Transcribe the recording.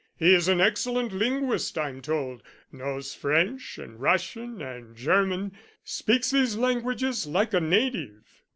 He is an excellent linguist I'm told, knows French and Russian and German speaks these languages like a native."